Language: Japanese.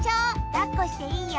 だっこしていいよ。